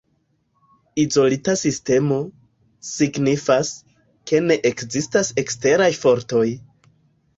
Izolita sistemo, signifas, ke ne ekzistas eksteraj fortoj.